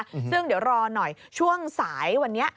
ซึ่งเดี๋ยวรอหน่อยช่วงสายวันนี้